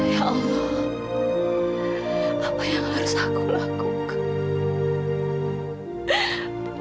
ya allah apa yang harus aku lakukan